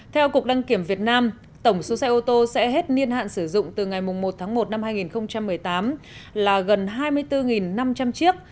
theo cục đăng kiểm việt nam tổng số xe ô tô sẽ hết niên hạn sử dụng từ ngày một tháng một năm hai nghìn một mươi tám là gần hai mươi bốn năm trăm linh chiếc